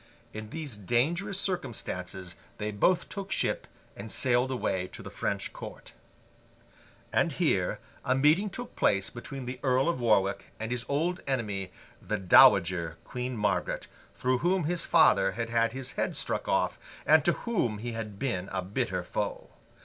In these dangerous circumstances they both took ship and sailed away to the French court. And here a meeting took place between the Earl of Warwick and his old enemy, the Dowager Queen Margaret, through whom his father had had his head struck off, and to whom he had been a bitter foe.